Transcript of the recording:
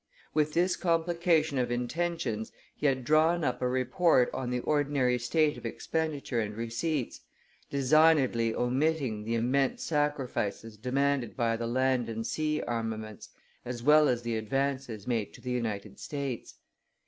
With this complication of intentions, he had drawn up a report on the ordinary state of expenditure and receipts, designedly omitting the immense sacrifices demanded by the land and sea armaments as well as the advances made to the United States.